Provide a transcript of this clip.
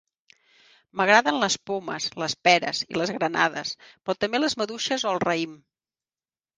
M'agraden les pomes, les peres i les granades, però també les maduixes o el raïm.